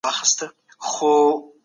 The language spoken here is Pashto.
تعليم د ټولنې د خوشحالۍ راز دی.